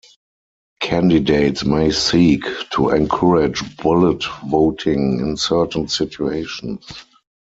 Candidates may seek to encourage bullet voting in certain situations.